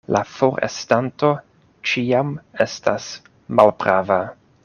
La forestanto ĉiam estas malprava.